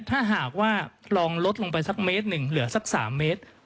ถ้าหากว่าลองลดลงไปสักเมตรหนึ่งเหลือสัก๓เมตร